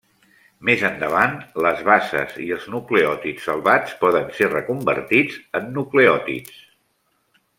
Més endavant, les bases i els nucleòtids salvats poden ser reconvertits en nucleòtids.